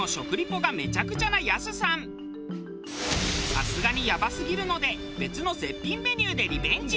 さすがにやばすぎるので別の絶品メニューでリベンジ。